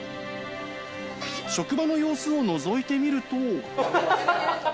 職場の様子をのぞいてみると。